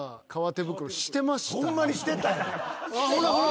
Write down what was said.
ほらほら。